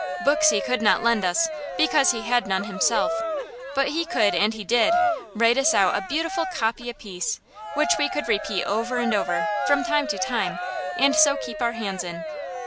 Books he could not lend us, because he had none himself; but he could, and he did, write us out a beautiful "copy" apiece, which we could repeat over and over, from time to time, and so keep our hands in.